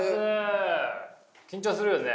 緊張するよね。